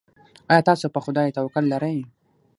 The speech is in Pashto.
ایا تاسو په خدای توکل لرئ؟